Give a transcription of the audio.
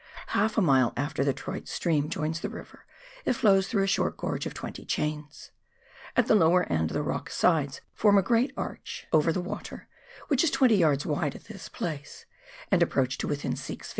Half a mile after the Troyte stream joins the river, it flows through a short gorge of twenty chains. At the lower end the rock sides form a great arch KARANGARUA RIVER. 205 over the water — whicli is 20 yards wide at this place — and approach to within 6 ft.